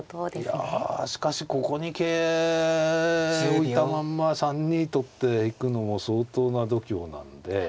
いやしかしここに桂置いたまんま３二とって行くのも相当な度胸なんで。